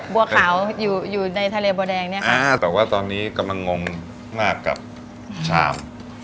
บัวขาวอยู่อยู่ในทะเลบัวแดงเนี่ยค่ะอ่าแต่ว่าตอนนี้กำลังงงมากกับชาม